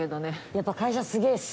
やっぱ会社すげぇっす。